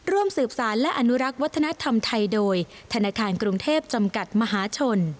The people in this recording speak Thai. ร่วมสืบสารและอนุรักษ์วัฒนธรรมไทยโดยธนาคารกรุงเทพจำกัดมหาชน